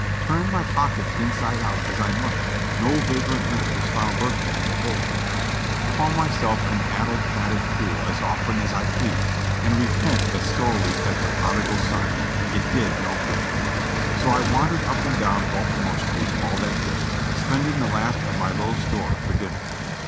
Turn niy pockets inside out as I might, no vagrant note was found lurking in the folds. Call myself an addle pated fool as often as I pleased, and repent as sorely as the prodigal son, it did no good ; so I wandered up and down Baltimore Street all that day, spend ing the last of my little store for dinner.